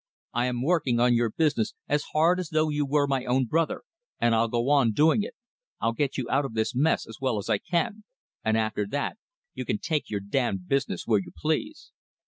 I am working on your business as hard as though you were my own brother, and I'll go on doing it. I'll get you out of this mess as well as I can, and after that you can take your damned business where you please."